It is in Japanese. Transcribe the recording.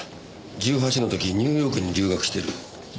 １８の時ニューヨークに留学してる。